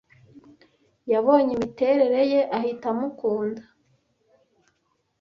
yabonye imiterere ye ahita amukunda